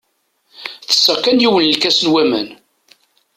Tesseɣ kan yiwen n lkas n waman.